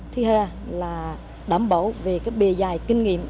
thứ hai là đảm bảo về cái bề dày kinh nghiệm